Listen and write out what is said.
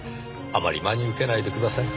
あまり真に受けないでください。